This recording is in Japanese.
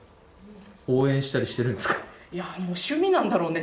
いやもう趣味なんだろうね。